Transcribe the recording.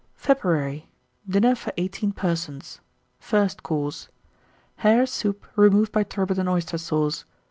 FEBRUARY. 1909. DINNER FOR 18 PERSONS. First Course. Hare Soup, removed by Turbot and Oyster Sauce.